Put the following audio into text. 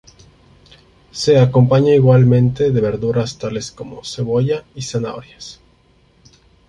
Se acompaña igualmente de verduras tales como cebollas y zanahorias.